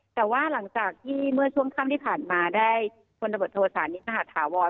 แต่ว่าหลังจากที่เมื่อช่วงค่ำที่ผ่านมาได้พลตำรวจโทษานิทมหาธาวร